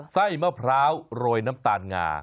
ไส้มะพร้าวโรยน้ำตาลงา